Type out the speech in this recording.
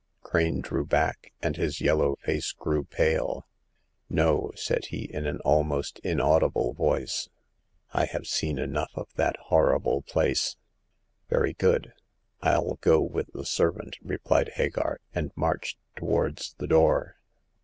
Crane drew back, and his yellow face grew pale. '* No," said he, in an almost inaudible voice. " I have seen enough of that horrible place !"" Very good ; FU go with the servant," replied Hagar, and marched towards the door.